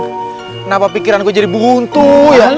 kenapa pikiran gue jadi bubuntu ya